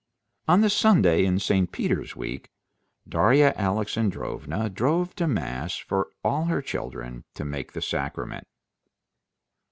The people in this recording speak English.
On the Sunday in St. Peter's week Darya Alexandrovna drove to mass for all her children to take the sacrament.